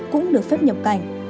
cũng được phép nhập cảnh